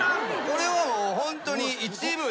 これはもうホントに一部です。